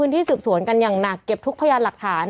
ที่สืบสวนกันอย่างหนักเก็บทุกพยานหลักฐาน